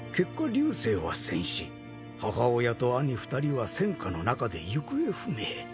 隆生は戦死母親と兄２人は戦火の中で行方不明。